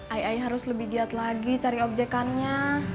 ai ai harus lebih liat lagi cari objekannya